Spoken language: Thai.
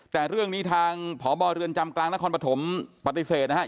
แต่เรื่องนี้ทางพบเรือนจำกลางนครปฐมปฏิเสธนะครับ